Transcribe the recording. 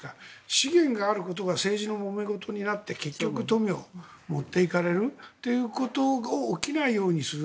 資源があることが政治のもめ事になって結局富を持っていかれるということがないようにする。